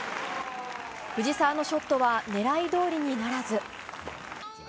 藤澤のショットは狙いどおりにならず。